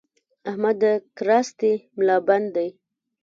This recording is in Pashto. احمد د کراستې ملابند دی؛